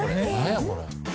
これ。